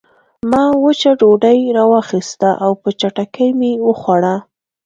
ما وچه ډوډۍ راواخیسته او په چټکۍ مې وخوړه